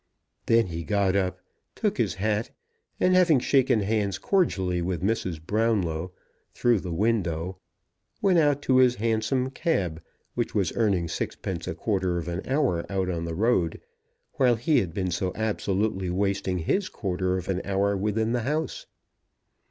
Then he got up, took his hat, and having shaken hands cordially with Mrs. Brownlow through the window, went out to his hansom cab, which was earning sixpence a quarter of an hour out on the road, while he had been so absolutely wasting his quarter of an hour within the house.